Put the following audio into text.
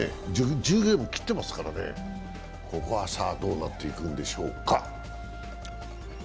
１０ゲーム切っていますからここは、さあどうなっていくんでしょうか。